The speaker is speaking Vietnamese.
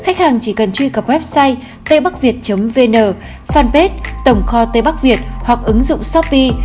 chỉ cần truy cập website tbh vn fanpage tổng kho tây bắc việt hoặc ứng dụng shopee